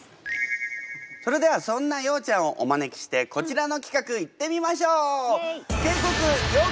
それではそんなようちゃんをお招きしてこちらの企画いってみましょう！